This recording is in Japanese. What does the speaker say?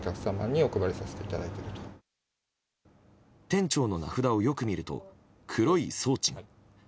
店長の名札をよく見ると黒い装置が。